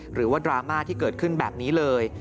หรือว่าดราม่าที่เกิดขึ้นแบบนี้เลย